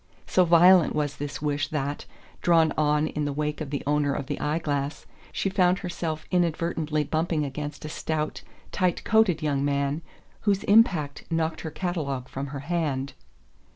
So violent was this wish that, drawn on in the wake of the owner of the eye glass, she found herself inadvertently bumping against a stout tight coated young man whose impact knocked her catalogue from her hand.